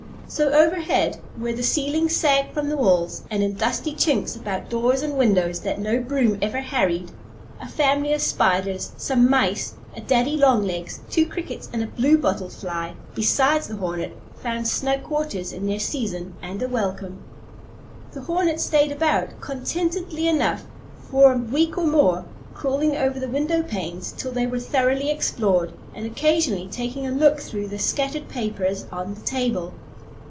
So overhead, where the ceiling sagged from the walls, and in dusty chinks about doors and windows that no broom ever harried, a family of spiders, some mice, a daddy long legs, two crickets, and a bluebottle fly, besides the hornet, found snug quarters in their season, and a welcome. The hornet stayed about, contentedly enough, for a week or more, crawling over the window panes till they were thoroughly explored, and occasionally taking a look through the scattered papers on the table.